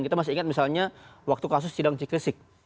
kita masih ingat misalnya waktu kasus sidang cikresik